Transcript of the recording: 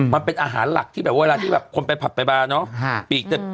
มันเป็นอาหารหลักที่แบบเวลาที่แบบคนไปผับใบบาเนอะฮะปีกอืม